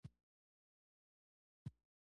د وینې رګونه هم هلته موجود دي.